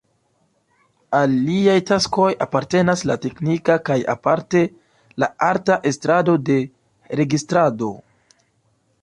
Al liaj taskoj apartenas la teknika kaj aparte la arta estrado de registrado.